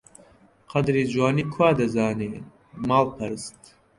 قەدری جوانی کوا دەزانێ ماڵپەرست!